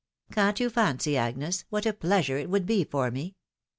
Can't you fancy, Agnes, what a pleasure it would be for me